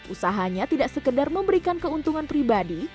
usahanya tidak sekedar memberikan keuntungan pribadi